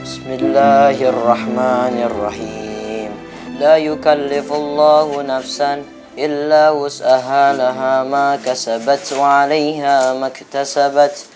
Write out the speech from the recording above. bismillahirrahmanirrahim layu kalifullahunafsan illa usaha laha makasabat wa'alaiha maktasabat